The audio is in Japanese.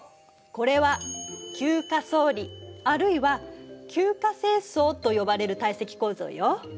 これは級化層理あるいは級化成層と呼ばれる堆積構造よ。